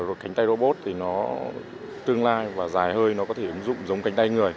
và cánh tay robot thì nó tương lai và dài hơi nó có thể ứng dụng giống cánh tay người